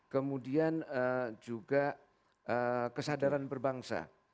kemudian juga kesadaran berbangsa